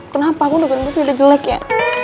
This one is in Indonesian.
kenapa aku udah gendut udah jelek ya